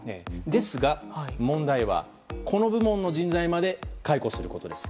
ですが、問題はこの部門の人材まで解雇することです。